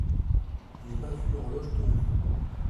Je n’ai pas vu l’horloge tourner.